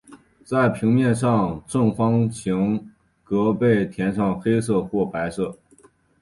在平面上的正方形格被填上黑色或白色。